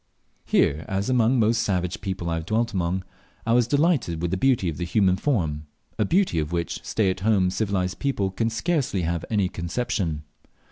Here, as among most savage people I have dwelt among, I was delighted with the beauty of the human form a beauty of which stay at home civilized people can scarcely have any conception.